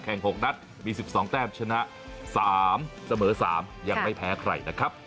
๖นัดมี๑๒แต้มชนะ๓เสมอ๓ยังไม่แพ้ใครนะครับ